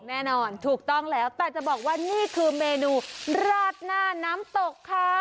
แน่นอนถูกต้องแล้วแต่จะบอกว่านี่คือเมนูราดหน้าน้ำตกค่ะ